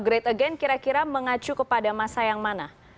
great again itu kalau great again kira kira mengacu kepada masa yang mana